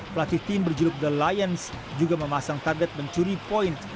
pelatih tim berjuluk the lions juga memasang target mencuri poin